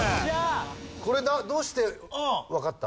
これどうしてわかった？